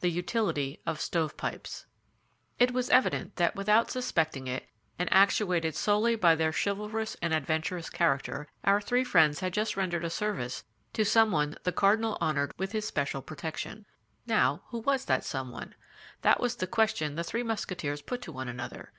THE UTILITY OF STOVEPIPES It was evident that without suspecting it, and actuated solely by their chivalrous and adventurous character, our three friends had just rendered a service to someone the cardinal honored with his special protection. Now, who was that someone? That was the question the three Musketeers put to one another.